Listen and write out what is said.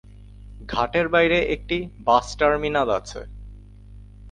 ঘাটের বাইরে একটি বাস টার্মিনাস আছে।